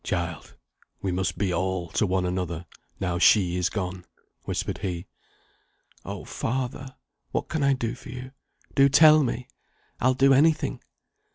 "Child, we must be all to one another, now she is gone," whispered he. "Oh, father, what can I do for you? Do tell me! I'll do any thing."